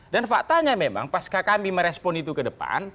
dan faktanya memang pas kami merespon itu ke depan